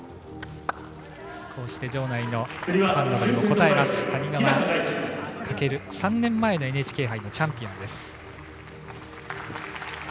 こうして場内のファンにも応えます谷川翔、３年前のＮＨＫ杯のチャンピオンです。